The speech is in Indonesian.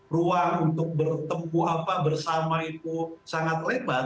ruang untuk bertempuh apa bersama itu sangat lebar